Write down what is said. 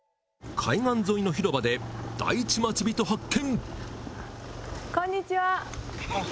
海岸沿いの広場で第一町人発見。